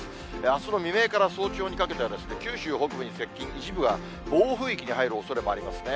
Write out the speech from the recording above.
あすの未明から早朝にかけてはですね、九州北部に接近し、一部は暴風域に入るおそれもありますね。